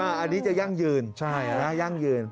อันนี้จะยั่งยืนยั่งยืน